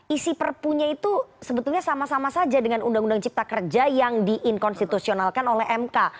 isi perpu nya itu sebetulnya sama sama saja dengan undang undang ciptakerja yang diinkonstitusionalkan oleh mk